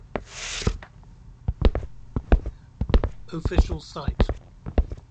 Official site